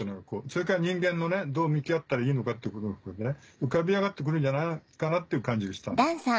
それから人間のどう向き合ったらいいのかっていうことも含めて浮かび上がって来るんじゃないかなっていう感じがしたんです。